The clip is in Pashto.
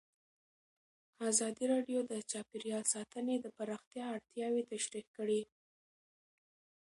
ازادي راډیو د چاپیریال ساتنه د پراختیا اړتیاوې تشریح کړي.